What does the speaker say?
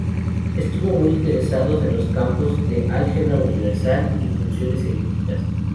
Estuvo muy interesado en los campos del álgebra universal y en funciones elípticas.